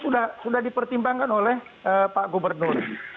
nah ini sudah dipertimbangkan oleh pak gubernur